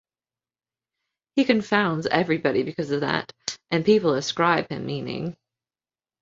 He confounds everybody because of that, and people ascribe him meaning.